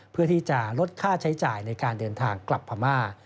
เพื่อที่จะลดค่าใช้จ่ายในการเดินทางกลับพม่า